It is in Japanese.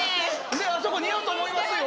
ねえあそこ似合うと思いますよ。